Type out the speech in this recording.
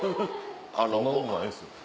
そんなことないですよ。